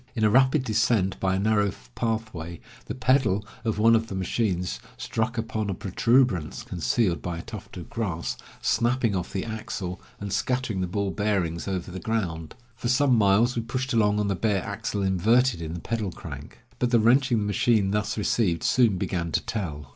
In a rapid descent by a narrow pathway, the pedal of one of the machines struck upon a protuberance, concealed by a tuft of grass, snapping off the axle, and scattering the ball bearings over the ground. For some miles we pushed along on the bare axle inverted in the pedal crank. But the wrenching the machine thus received soon began to tell.